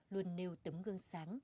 luôn nêu tấm gương sáng